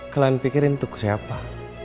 kalian pikirin untuk siapa